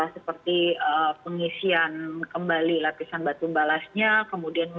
seperti pengisian kembali lapisan batu balasnya yang diperlukan oleh pt kai mbak